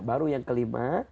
baru yang kelima